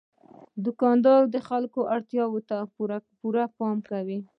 دوکاندار د خلکو اړتیا ته پوره پام کوي.